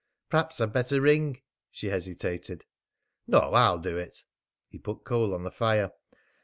"Perhaps I'd better ring," she hesitated. "No, I'll do it." He put coal on the fire.